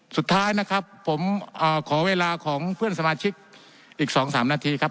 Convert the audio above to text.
สุดท้ายนะครับผมขอเวลาของเพื่อนสมาชิกอีก๒๓นาทีครับ